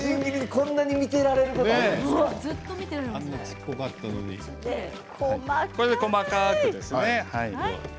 こんなに見ていられること細かくですね。